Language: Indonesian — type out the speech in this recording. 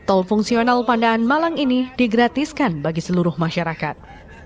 tol fungsional pandaan malang ini digratiskan bagi seluruh masyarakat